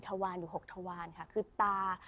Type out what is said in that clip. ทวารหรือหกทวารค่ะคือตา